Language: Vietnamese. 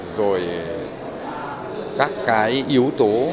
rồi các cái yếu tố